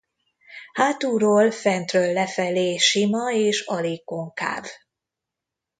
Hátulról fentről lefelé sima és alig konkáv.